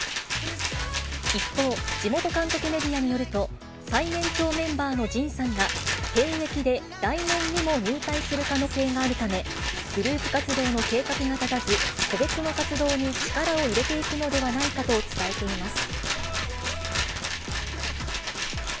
一方、地元、韓国メディアによると、最年長メンバーのＪＩＮさんが、兵役で来年にも入隊する可能性があるため、グループ活動の計画が立たず、個別の活動に力を入れていくのではないかと伝えています。